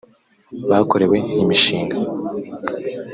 bakorewe imishinga